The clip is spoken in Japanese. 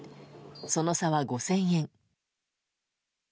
その差は５０００円。